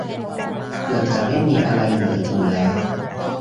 เกือบจะไม่มีอะไรเหลืออยู่แล้ว